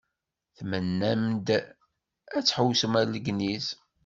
Tmennam-d ad tḥewwsemt ar Legniz.